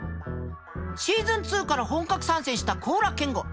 シーズン２から本格参戦した高良健吾